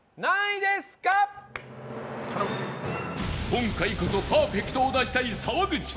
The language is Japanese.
今回こそパーフェクトを出したい沢口